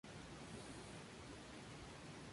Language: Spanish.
Es PhD por la Universidad de Bonn.